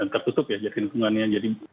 tertutup ya jadi lingkungannya